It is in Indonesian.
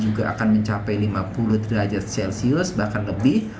juga akan mencapai lima puluh derajat celcius bahkan lebih